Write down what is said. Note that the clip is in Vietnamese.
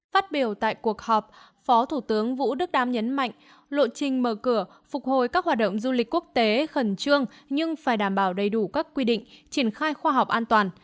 phát biểu tại cuộc họp phó thủ tướng vũ đức đam nhấn mạnh lộ trình mở cửa phục hồi các hoạt động du lịch quốc tế khẩn trương nhưng phải đảm bảo đầy đủ các quy định triển khai khoa học an toàn